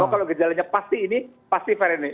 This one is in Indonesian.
kalau gejalanya pasti ini pasti varian ini